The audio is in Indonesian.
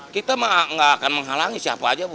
kita nggak akan menghalangi siapa aja bu